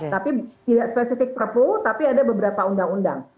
tapi tidak spesifik perpu tapi ada beberapa undang undang